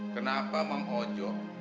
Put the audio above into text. kenapa mang ojo